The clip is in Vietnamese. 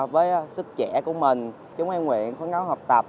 với sức trẻ của mình chúng em nguyện phấn đấu học tập